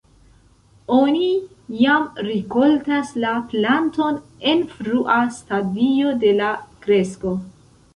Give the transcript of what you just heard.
Oni jam rikoltas la planton en frua stadio de la kresko.